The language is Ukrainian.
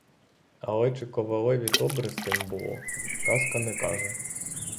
Але чи ковалеві добре з тим було — казка не каже.